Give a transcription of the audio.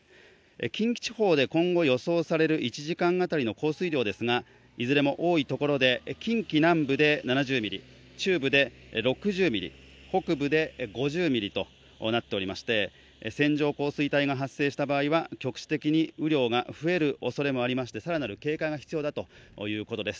近畿地方で今後予想される１時間当たりの降水量ですが、いずれも多いところで近畿南部で７０ミリ中部で６０ミリ、北部で５０ミリとなっておりまして、線状降水帯が発生した場合は局地的に雨量が増える場合がありまして更なる警戒が必要だということです。